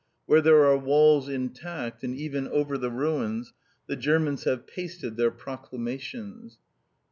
Where there are walls intact, and even over the ruins, the Germans have pasted their proclamations.